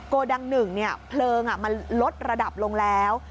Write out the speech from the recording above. โกดังหนึ่งเนี้ยเค้งอ่ะมันลดระดับลงแล้ว